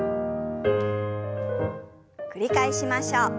繰り返しましょう。